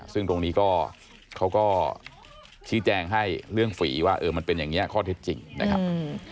ซึ่งตรงนี้ก็เขาก็ชี้แจงให้เรื่องฝีว่าเออมันเป็นอย่างนี้ข้อเท็จจริงนะครับ